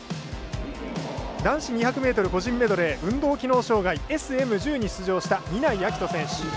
男子２００ｍ個人メドレー運動機能障がいＳＭ１０に出場した南井瑛翔選手。